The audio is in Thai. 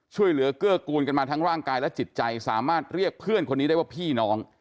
เกลือกูลกันมาทั้งร่างกายและจิตใจสามารถเรียกเพื่อนคนนี้ได้ว่าพี่น้อง